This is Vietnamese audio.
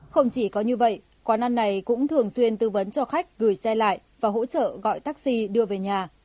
không chỉ có như vậy quán ăn này cũng thường xuyên tư vấn cho khách gửi xe lại và hỗ trợ gọi taxi đưa về nhà